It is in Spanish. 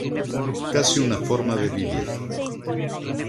Casi una forma de vivir.